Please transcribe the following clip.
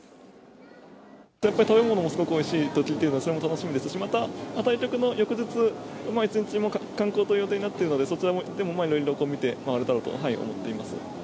やっぱり食べ物もすごくおいしいと聞いているので、それも楽しみですし、また対局の翌日、一日観光の予定になっているので、そちらでもいろいろ見て回れたらと回れたらと思っています。